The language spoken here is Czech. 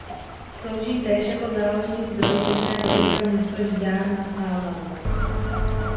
Slouží též jako záložní zdroj pitné vody pro město Žďár nad Sázavou.